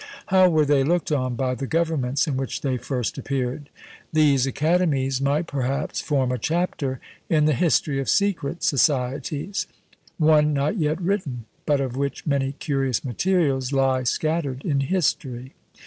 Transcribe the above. How were they looked on by the governments in which they first appeared? These academies might, perhaps, form a chapter in the history of secret societies, one not yet written, but of which many curious materials lie scattered in history.